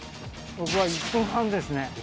僕は１分半ですね